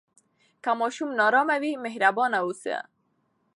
که ماشوم نارامه وي، مهربان اوسه.